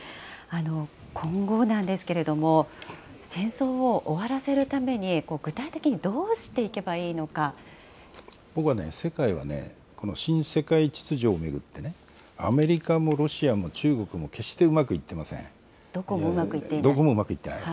今後なんですけれども、戦争を終わらせるために、僕はね、世界はこの新世界秩序を巡って、アメリカもロシアも中国も、決してうまくいってませどこもうまくいっていない？